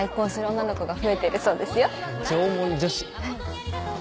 はい。